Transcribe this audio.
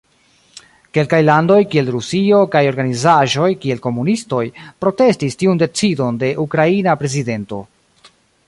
Kelkaj landoj, kiel Rusio, kaj organizaĵoj, kiel komunistoj, protestis tiun decidon de ukraina prezidento.